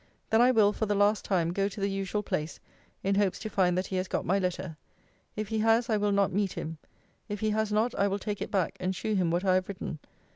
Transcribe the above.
Then I will, for the last time, go to the usual place, in hopes to find that he has got my letter. If he has, I will not meet him. If he has not, I will take it back, and shew him what I have written.